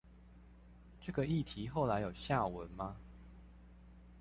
這個議題後來有下文嗎？